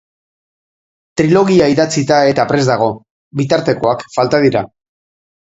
Trilogia idatzita eta prest dago, bitartekoak falta dira.